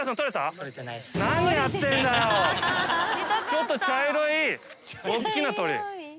ちょっと茶色いおっきな鳥。